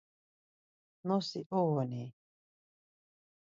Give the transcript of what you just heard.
Nosi uğun-i?